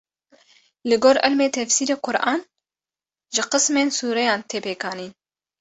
Li gor ilmê tefsîrê Quran ji qismên sûreyan tê pêkanîn.